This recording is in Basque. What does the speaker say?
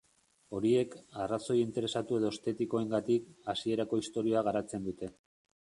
Horiek, arrazoi interesatu edo estetikoengatik, hasierako istorioa garatzen dute.